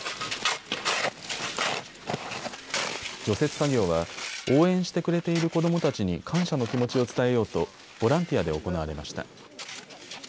除雪作業は応援してくれている子どもたちに感謝の気持ちを伝えようとボランティアで行われました。